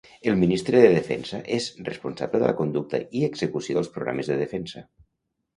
El Ministre de Defensa és responsable de la conducta i execució dels programes de defensa.